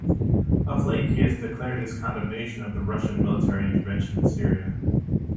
Of late, he has declared his condemnation of the Russian military intervention in Syria.